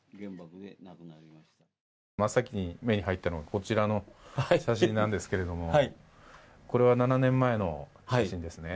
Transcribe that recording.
真っ先に目に入ったのがこちらの写真なんですけれどもこれは７年前の写真ですね。